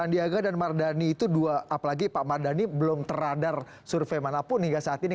sandiaga dan mardani itu dua apalagi pak mardhani belum teradar survei manapun hingga saat ini